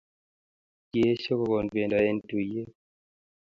Kiyesho kokonon pendo en tuyet